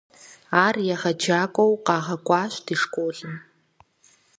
Ар егъэджакӏуэу къагъэкӏуащ ди школым.